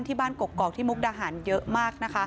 บ้านกกอกที่มุกดาหารเยอะมากนะคะ